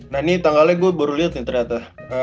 nah ini tanggalnya gue baru lihat nih ternyata